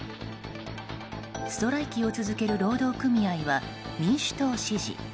ストライキを続ける労働組合は民主党支持。